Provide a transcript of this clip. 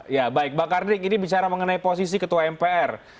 ya baik bang karding ini bicara mengenai posisi ketua mpr